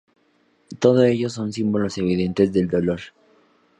Todo ello son símbolos evidentes del dolor.